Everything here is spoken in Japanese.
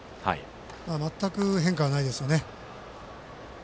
全く変化はないですね。